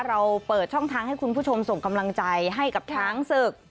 เราเปิดช่องทางให้คุณผู้ชมส่งกำลังใจให้กับช้างศึก